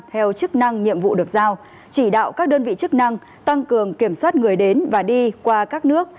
theo chức năng nhiệm vụ được giao chỉ đạo các đơn vị chức năng tăng cường kiểm soát người đến và đi qua các nước